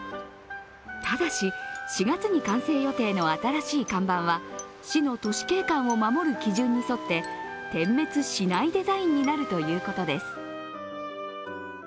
ただし、４月に完成予定の新しい看板は市の都市景観を守る基準に沿って点滅しないデザインになるということです。